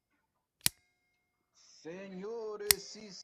O el salto brusco de un nivel narrativo a otro.